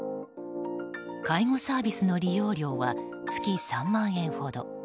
介護サービスの利用料は月３万円ほど。